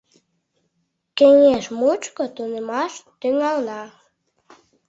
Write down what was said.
Кеҥеж мучко тунемаш тӱҥалына.